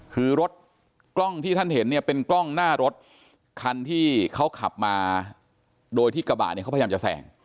คือรถกล้องที่ท่านเห็นเนี่ยเป็นกล้องหน้ารถคันที่เขาขับมาโดยที่กระบะเนี่ยเขาพยายามจะแสง